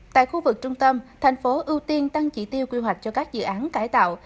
tại khu vực trung tâm thành phố ưu tiên tăng chỉ tiêu quy hoạch cho các dự án cải tạo